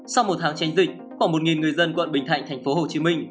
sau một tháng tranh dịch khoảng một người dân quận bình thạnh thành phố hồ chí minh